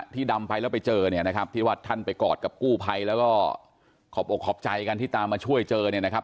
ที่ดำไฟแล้วไปเจอที่วัดท่านไปกอดกับกู้ไภแล้วก็ขอบใจกันที่ตามมาช่วยเจอ